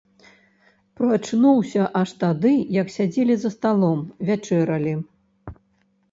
Прачнуўся аж тады, як сядзелі за сталом, вячэралі.